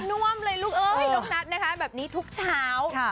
ไม่ต้องว่ำเลยลูกเอ้ยต้องนัดนะคะแบบนี้ทุกเช้า